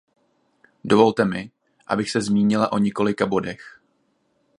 Dovolte mi, abych se zmínila o několika bodech.